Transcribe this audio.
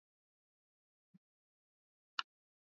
Ligi ya Mabingwa Afrika elfu mbili na kumi na saba Wydad Athletic Club